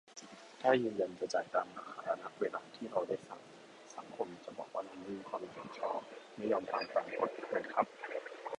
ถ้ายืนยันจะจ่ายตามราคา ณ เวลาที่เราได้สั่ง สังคมจะบอกว่าเราไม่มีความรับผิดชอบ ไม่ยอมทำตามกฎไหมครับ